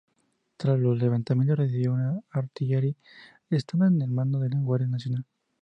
Tras los levantamientos, recibió una artillery, estando al mando de la guardia nacional.